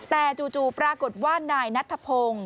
แต่จู่ปรากฏว่านายนัทพงศ์